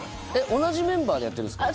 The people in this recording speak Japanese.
同じメンバーでやってるんですか？